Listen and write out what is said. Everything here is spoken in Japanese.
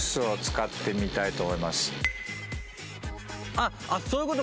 あっそういうこと